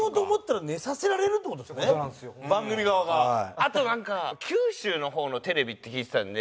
あとなんか九州の方のテレビって聞いてたんで。